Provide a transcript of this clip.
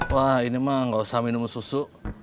wah ini mah gak usah minum susu